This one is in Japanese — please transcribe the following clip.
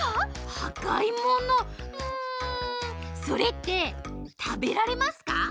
それってたべられますか？